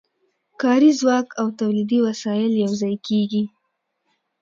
کاري ځواک او تولیدي وسایل یوځای کېږي